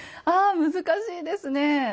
あ難しいですね。